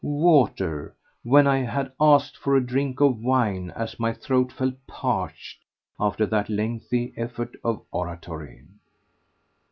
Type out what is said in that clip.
Water! when I had asked for a drink of wine as my throat felt parched after that lengthy effort at oratory.